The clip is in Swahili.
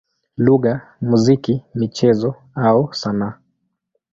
lugha, muziki, michezo au sanaa.